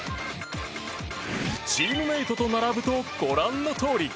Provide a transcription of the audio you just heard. チームメートと並ぶとご覧のとおり。